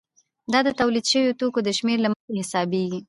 دا د تولید شویو توکو د شمېر له مخې حسابېږي